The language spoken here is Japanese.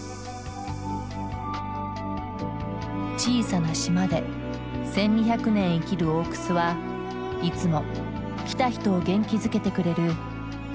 小さな島で１，２００年生きる大くすはいつも来た人を元気づけてくれる神様の木だ。